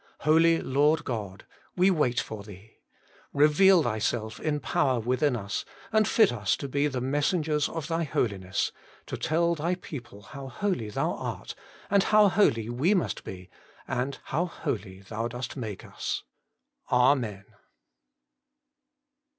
Holy Lord God ! we wait for Thee. Reveal Thyself in power within us, and fit us to be the messengers of Thy Holiness, to tell Thy people how holy Thou art, and how holy we must be, and how holy Thou dost make us. Amen.